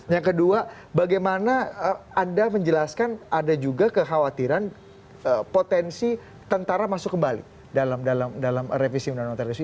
yang kedua bagaimana anda menjelaskan ada juga kekhawatiran potensi tentara masuk kembali dalam revisi undang undang teroris